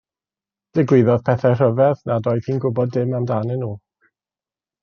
Digwyddodd pethau rhyfedd nad oedd hi'n gwybod dim amdanyn nhw.